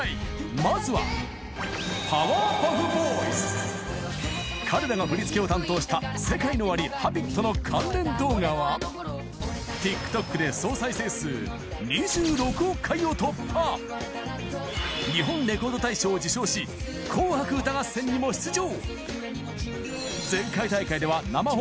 まずは彼らが振り付けを担当した ＳＥＫＡＩＮＯＯＷＡＲＩ『Ｈａｂｉｔ』の関連動画はを突破日本レコード大賞を受賞し『紅白歌合戦』にも出場